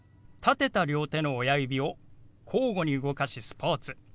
立てた両手の親指を交互に動かし「スポーツ」。